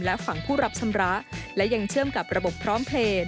และฝั่งผู้รับชำระและยังเชื่อมกับระบบพร้อมเพลย์